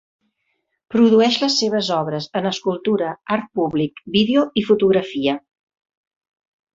Produeix les seves obres en escultura, art públic, vídeo i fotografia.